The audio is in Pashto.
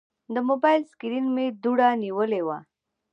د موبایل سکرین مې دوړه نیولې وه.